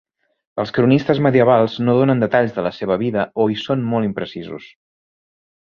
Els cronistes medievals no donen detalls de la seva vida o hi són molt imprecisos.